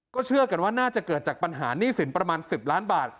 เชื่อกันว่าน่าจะเกิดจากปัญหาหนี้สินประมาณ๑๐ล้านบาท